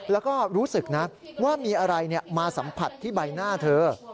แล้วก็รู้สึกนะว่ามีอะไรมาสัมผัสที่ใบหน้าเธอ